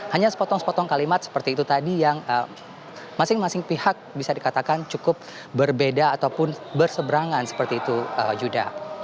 hanya sepotong sepotong kalimat seperti itu tadi yang masing masing pihak bisa dikatakan cukup berbeda ataupun berseberangan seperti itu yuda